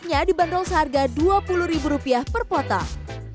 keknya dibanderol seharga dua puluh ribu rupiah per potong